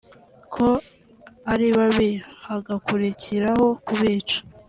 ko ari babi hagakurikiraho kubica”